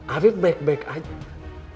afif baik baik aja